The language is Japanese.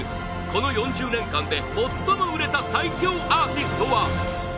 この４０年間で最も売れた最強アーティストは？